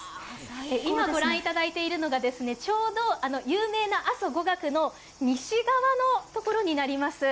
今ご覧いただいているのがちょうど阿蘇五岳の西側のところにあります。